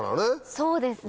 そうですね。